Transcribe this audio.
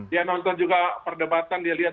dia nonton juga perdebatan dia lihat